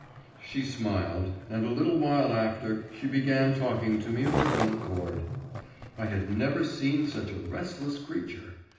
She smiled, and a little while after she began talking to me of her own accord. I had never seen such a restless creature.